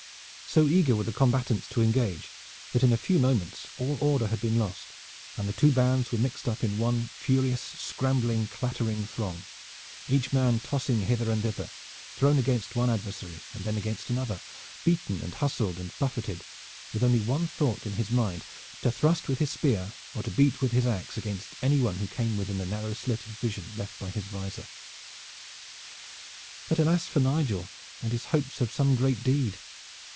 So eager were the combatants to engage that in a few moments all order had been lost and the two bands were mixed up in one furious scrambling, clattering throng, each man tossed hither and thither, thrown against one adversary and then against another, beaten and hustled and buffeted, with only the one thought in his mind to thrust with his spear or to beat with his ax against anyone who came within the narrow slit of vision left by his visor. But alas for Nigel and his hopes of some great deed!